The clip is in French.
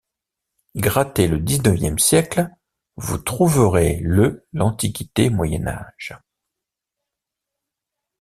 Grattez le dix-neuvième siècle, vous trouverez lel’antiquité moyen âge.